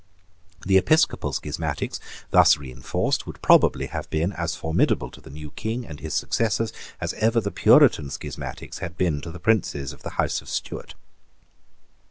The Episcopal schismatics, thus reinforced, would probably have been as formidable to the new King and his successors as ever the Puritan schismatics had been to the princes of the House of Stuart.